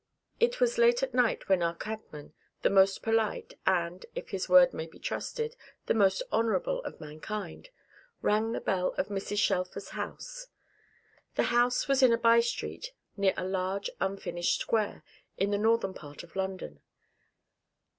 It was late at night when our cabman, the most polite, and (if his word may be trusted) the most honourable of mankind, rang the bell of Mrs. Shelfer's house. The house was in a by street near a large unfinished square, in the northern part of London.